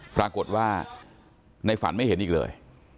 ปรากฏว่าในฝันไม่เห็นอีกเลย